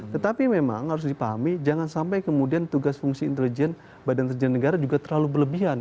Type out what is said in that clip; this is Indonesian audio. tetapi memang harus dipahami jangan sampai kemudian tugas fungsi intelijen badan terjal negara juga terlalu berlebihan